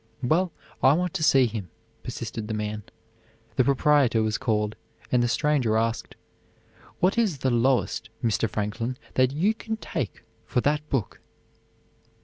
"Well, I want to see him," persisted the man. The proprietor was called, and the stranger asked: "What is the lowest, Mr. Franklin, that you can take for that book?"